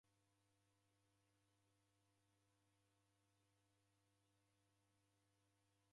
Ihi bahari yeko na vilambo pacha.